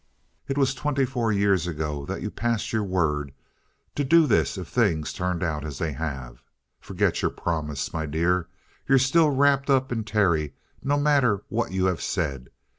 It was twenty four years ago that you passed your word to do this if things turned out as they have. Forget your promise. My dear, you're still wrapped up in Terry, no matter what you have said.